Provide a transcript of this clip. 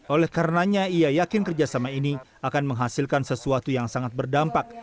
oleh karenanya ia yakin kerjasama ini akan menghasilkan sesuatu yang sangat berdampak